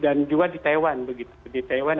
dan juga di taiwan begitu di taiwan